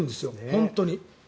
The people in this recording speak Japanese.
本当に。